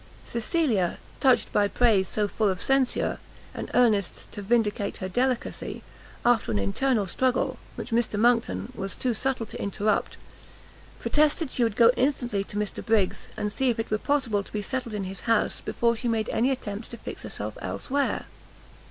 Cecilia, touched by praise so full of censure, and earnest to vindicate her delicacy, after an internal struggle, which Mr Monckton was too subtle to interrupt, protested she would go instantly to Mr Briggs, and see if it were possible to be settled in his house, before she made any attempt to fix herself elsewhere.